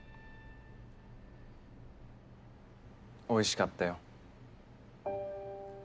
おいしかったよ。